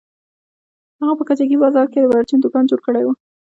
هغه په کجکي بازار کښې د پرچون دوکان جوړ کړى و.